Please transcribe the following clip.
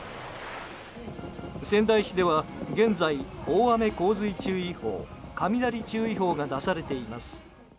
仙台市では現在大雨・洪水注意報雷注意報が出されています。